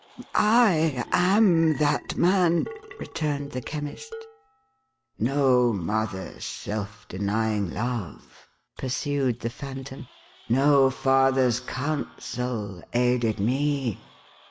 " I am that man," returned the Chemist. "No mother's self denying love," pursued the Phantom, "no father's counsel, aided me.